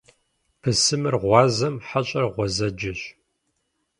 Бысымыр гъуазэм, хьэщӏэр гъуэзэджэщ.